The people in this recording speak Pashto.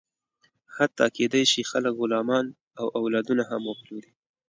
حتی کېدی شي، خلک غلامان او اولادونه هم وپلوري.